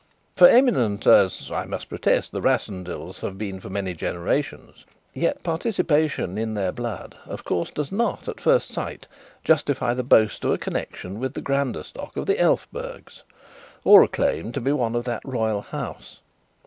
For eminent as, I must protest, the Rassendylls have been for many generations, yet participation in their blood of course does not, at first sight, justify the boast of a connection with the grander stock of the Elphbergs or a claim to be one of that Royal House.